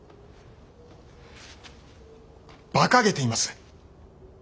ばかげています。